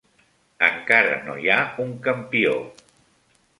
Encara no hi ha un campió.